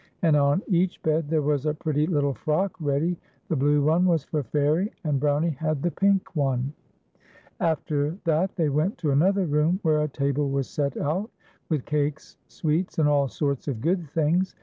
And on each bed there was a pretty little frock ready ; the blue one was for Fairie, and Brownie had the pink one. After that they went to another room where a table was set out with cakes, sweets, and all sorts of good things.